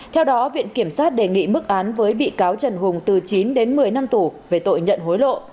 theo đó viện kiểm sát đề nghị mức án với bị cáo trần hùng từ chín đến một mươi năm tù về tội nhận hối lộ